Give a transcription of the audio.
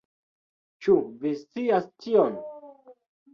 Ĉu vi scias tion?